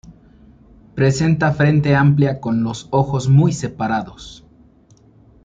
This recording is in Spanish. Presenta frente amplia con los ojos muy separados.